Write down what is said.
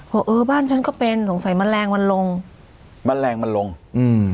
เออบ้านฉันก็เป็นสงสัยแมลงมันลงแมลงมันลงอืม